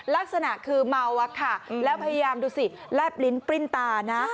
ลักษณะคือเมาอะค่ะแล้วพยายามดูสิแลบลิ้นปริ้นตานะ